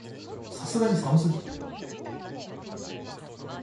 さすがに寒すぎる